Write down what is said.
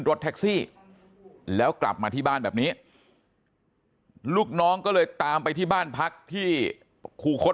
รถแท็กซี่แล้วกลับมาที่บ้านแบบนี้ลูกน้องก็เลยตามไปที่บ้านพักที่ครูคด